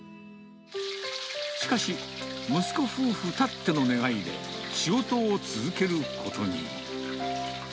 しかし、息子夫婦たっての願いで、仕事を続けることに。